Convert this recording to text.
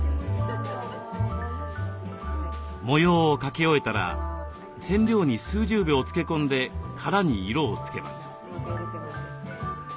模様を描き終えたら染料に数十秒つけ込んで殻に色をつけます。